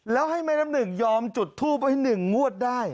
แล้วให้แม่น้ำหนึ่งยอมจุดทูปไว้๑งวดได้